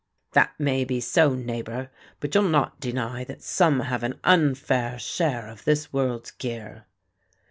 "That may be so, neighbour, but you'll not deny that some have an unfair share of this world's gear."